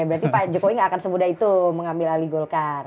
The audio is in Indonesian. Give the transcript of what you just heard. berarti pak jokowi nggak akan semudah itu mengambil alih golkar